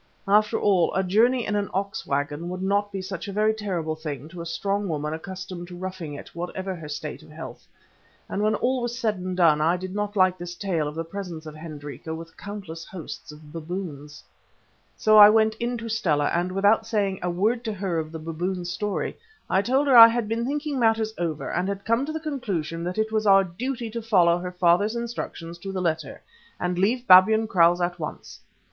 After all, a journey in an ox waggon would not be such a very terrible thing to a strong woman accustomed to roughing it, whatever her state of health. And when all was said and done I did not like this tale of the presence of Hendrika with countless hosts of baboons. [*] For an instance of this, see Anderson's "Twenty five Years in a Waggon," vol. i. p. 262.—Editor. So I went in to Stella, and without saying a word to her of the baboon story, told her I had been thinking matters over, and had come to the conclusion that it was our duty to follow her father's instructions to the letter, and leave Babyan Kraals at once.